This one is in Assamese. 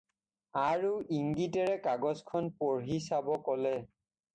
আৰু ইংগিতেৰে কাগজখন পঢ়ি চাব ক'লে।